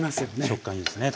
食感いいですね。